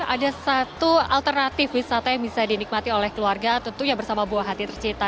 ada satu alternatif wisata yang bisa dinikmati oleh keluarga tentunya bersama buah hati tercinta